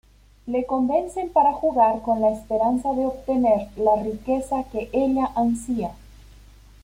Le convencen para jugar, con la esperanza de obtener la riqueza que ella ansía.